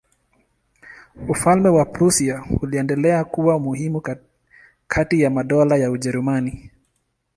Ufalme wa Prussia uliendelea kuwa muhimu kati ya madola ya Ujerumani.